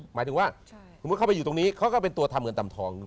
หมายถึงว่าสมมุติเข้าไปอยู่ตรงนี้เขาก็เป็นตัวทำเงินทำทอง